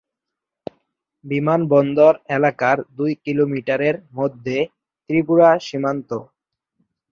বিমানবন্দর এলাকার দুই কিলোমিটারের মধ্যে ত্রিপুরা সীমান্ত।